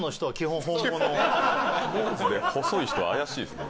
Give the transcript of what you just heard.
坊主で細い人は怪しいっすね